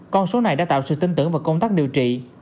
con số này đã tạo sự tin tưởng vào công tác điều trị